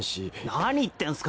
なに言ってんすか？